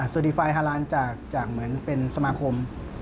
สตริฟัยฮาร้านจากเหมือนเป็นสมาคม